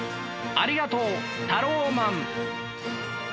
ありがとうタローマン！